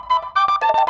kau mau kemana